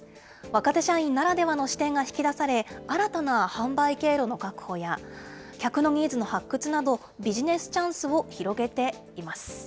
若手社員ならではの視点が引き出され、新たな販売経路の確保や、客のニーズの発掘など、ビジネスチャンスを広げています。